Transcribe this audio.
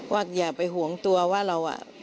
ว่าอย่าไปห่วงตัวว่าเรา